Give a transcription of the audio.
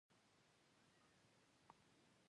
د هرات سپي ولې مشهور دي؟